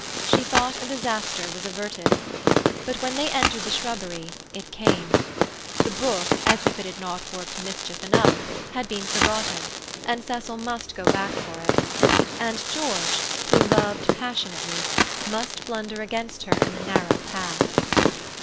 She thought a disaster was averted. But when they entered the shrubbery it came. The book, as if it had not worked mischief enough, had been forgotten, and Cecil must go back for it; and George, who loved passionately, must blunder against her in the narrow path.